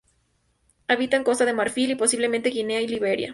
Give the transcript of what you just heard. Habita en Costa de Marfil y, posiblemente Guinea y Liberia.